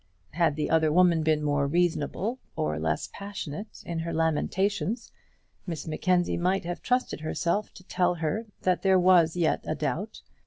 Had the other woman been more reasonable or less passionate in her lamentations Miss Mackenzie might have trusted herself to tell her that there was yet a doubt.